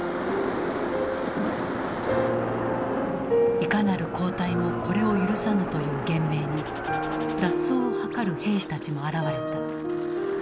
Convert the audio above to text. いかなる後退もこれを許さぬという厳命に脱走を図る兵士たちも現れた。